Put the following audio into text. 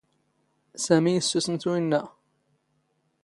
ⵙⴰⵎⵉ ⵉⵙⵙⵓⵙⵎ ⵜ ⵓⵢⵏⵏⴰ.